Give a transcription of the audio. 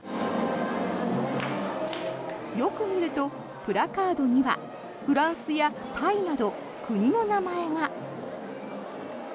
よく見ると、プラカードにはフランスやタイなど国の名前が。